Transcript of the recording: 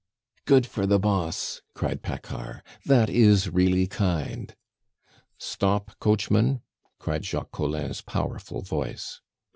"Good for the boss!" cried Paccard. "That is really kind!" "Stop, coachman!" cried Jacques Collin's powerful voice.